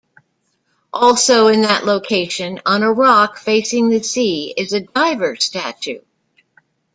Also in that location on a rock facing the sea is a diver statue.